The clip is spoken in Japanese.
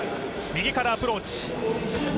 右からアプローチ。